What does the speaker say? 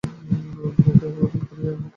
বহুকে অবলম্বন করিয়াই আমরা একে পৌঁছাই।